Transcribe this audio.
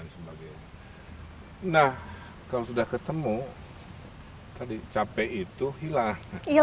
nah kalau sudah ketemu tadi capek itu hilang